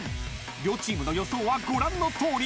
［両チームの予想はご覧のとおり］